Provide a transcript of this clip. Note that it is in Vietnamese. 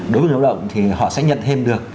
đối với lao động thì họ sẽ nhận thêm được